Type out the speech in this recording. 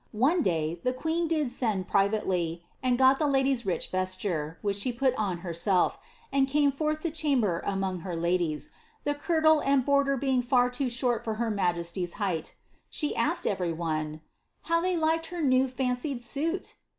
One day, the queen did send privately, and got the lady's rich vesture, which she put on herself, and came forth the chamber among her ladies, the kirtle and border being far too short for her majesty's height; she asked every one ^ how they liked her new &ncied suit